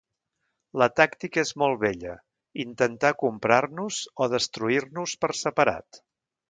La tàctica és molt vella: intentar comprar-nos o destruir-nos per separat.